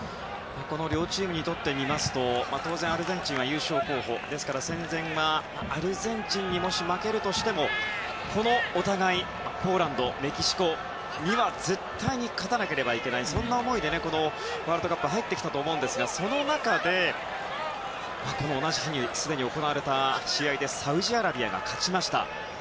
この両チームにとっては当然、アルゼンチンは優勝候補ですから戦前はアルゼンチンにもし負けるとしてもお互いポーランド、メキシコには絶対に勝たなければいけないそんな思いでこのワールドカップに入ってきたと思いますがその中で同じ日にすでに行われた試合でサウジアラビアが勝ちました。